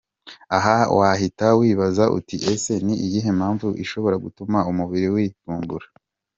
Aha wahita wibaza uti ese ni iyihe mpamvu ishobora gutuma umubiri wivumbura?.